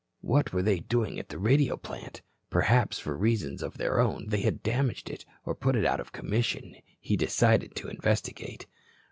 What were they doing at the radio plant? Perhaps, for reasons of their own, they had damaged it or put it out of commission. He decided to investigate.